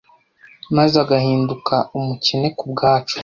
maze agahinduka umukene kubwacu,